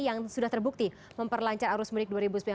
yang sudah terbukti memperlancar arus mudik dua ribu sembilan belas